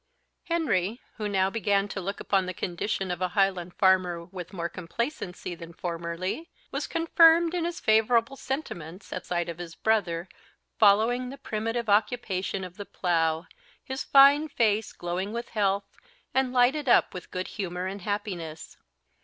Henry, who now began to look upon the condition of a Highland farmer with more complacency than formerly, was confirmed in his favourable sentiments at sight of his brother, following the primitive occupation of the plough, his fine face glowing with health, and lighted up with good humour and happiness.